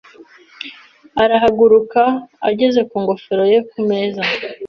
Arahaguruka, ageza ku ngofero ye ku meza.